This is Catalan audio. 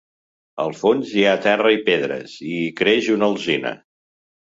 Al fons, hi ha terra i pedres i hi creix una alzina.